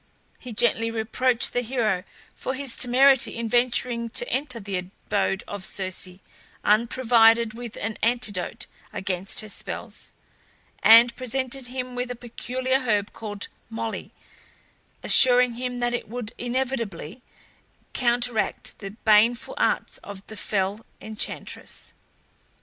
He gently reproached the hero for his temerity in venturing to enter the abode of Circe unprovided with an antidote against her spells, and presented him with a peculiar herb called Moly, assuring him that it would inevitably counteract the baneful arts of the fell enchantress.